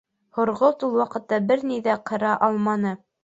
Һорғолт ул ваҡытта бер ни ҙә ҡыра алманы.